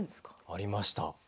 ありました。